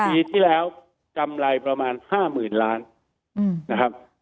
ปีที่แล้วกำไรประมาณ๕๐๐๐ล้านนะครับ